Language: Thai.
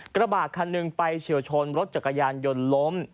กระบะคันหนึ่งไปเฉียวชนรถจักรยานยนต์ล้ม